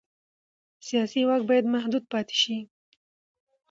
سیاسي واک باید محدود پاتې شي